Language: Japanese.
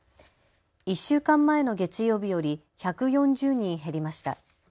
１週間前の月曜日より１４０人減りました。